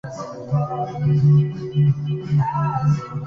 Ambos grupos han sido recogidos de la nieve y a gran altitud.